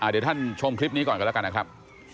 เดี๋ยวท่านชมคลิปนี้ก่อนกันแล้วกันนะครับ